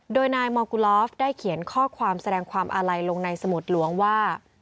โดยนายมอร์กุลอฟได้เขียนข้อความแสดงความอาลัยลงในสมุดหลวงว่า